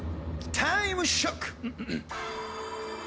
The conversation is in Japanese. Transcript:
タイムショック！